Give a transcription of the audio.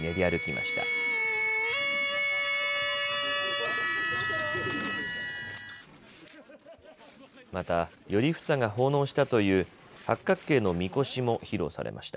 また、頼房が奉納したという八角形のみこしも披露されました。